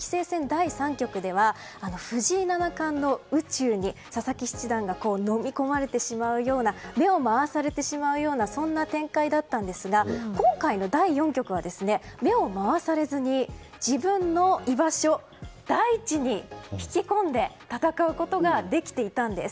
第３局では藤井七冠の宇宙に、佐々木七段がのみ込まれてしまうような目を回されてしまうようなそんな展開だったんですが今回の第４局は目を回されずに、自分の居場所大地に引き込んで戦うことができていたんです。